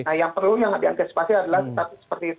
nah yang perlu yang diantisipasi adalah seperti itu